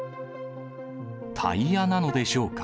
タイヤなのでしょうか。